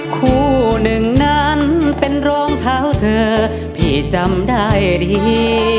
คู่หนึ่งนั้นเป็นรองเท้าเธอพี่จำได้ดี